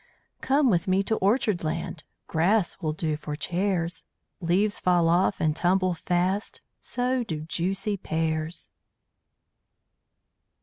Come with me to Orchard land; Grass will do for chairs. Leaves fall off and tumble fast So do juicy pears!